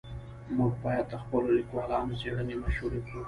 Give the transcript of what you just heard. موږ باید د خپلو لیکوالانو څېړنې مشهورې کړو.